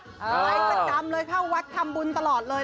ไปต่ำเลยค่ะวัดทำบุญตลอดเลย